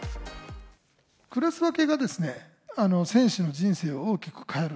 クラス分けがですね、選手の人生を大きく変える。